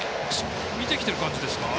見てきている感じですか。